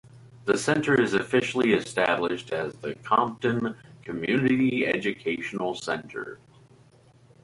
The center is officially established as the Compton Community Educational Center.